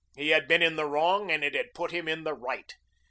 He had been in the wrong and it had put him in the right.